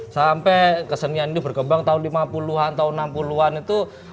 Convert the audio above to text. sampai kesenian itu berkembang tahun lima puluh an tahun enam puluh an itu